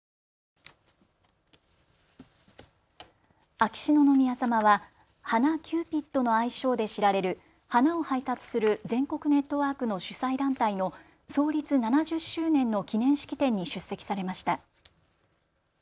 秋篠宮さまは花キューピットの愛称で知られる花を配達する全国ネットワークの主催団体の創立７０周年の記念式典に出席されました。